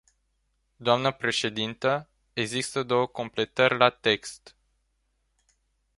Doamnă președintă, există două completări la text.